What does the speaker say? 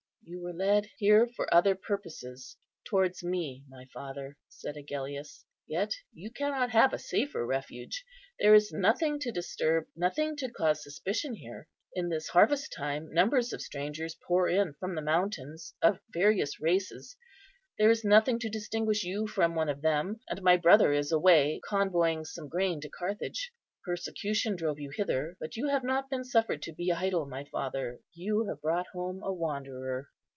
"You were led here for other purposes towards me, my father," said Agellius; "yet you cannot have a safer refuge. There is nothing to disturb, nothing to cause suspicion here. In this harvest time numbers of strangers pour in from the mountains, of various races; there is nothing to distinguish you from one of them, and my brother is away convoying some grain to Carthage. Persecution drove you hither, but you have not been suffered to be idle, my father, you have brought home a wanderer."